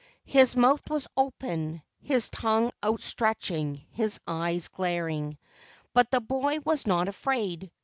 His mouth was open, his tongue outstretching, his eyes glaring, but the boy was not afraid.